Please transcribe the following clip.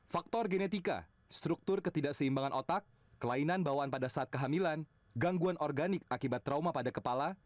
faktor genetika struktur ketidakseimbangan otak kelainan bawaan pada saat kehamilan gangguan organik akibat trauma pada kepala